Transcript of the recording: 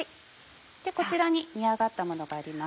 こちらに煮上がったものがあります。